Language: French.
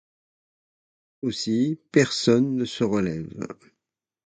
Aussi personne ne se relève.